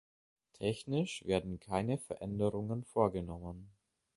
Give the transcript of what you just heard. Technisch werden keine Veränderungen vorgenommen.